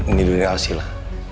ini dari alshila